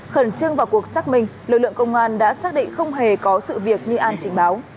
khẩn trương vào cuộc xác minh lực lượng công an đã xác định không hề có sự việc như an trình báo